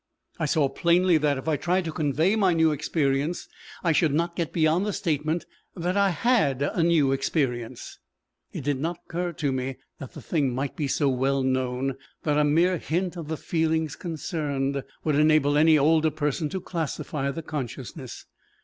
I saw plainly that, if I tried to convey my new experience, I should not get beyond the statement that I had a new experience. It did not occur to me that the thing might be so well known, that a mere hint of the feelings concerned, would enable any older person to classify the consciousness.